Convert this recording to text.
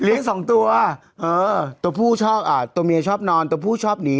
สองตัวเออตัวผู้ชอบอ่ะตัวเมียชอบนอนตัวผู้ชอบหนี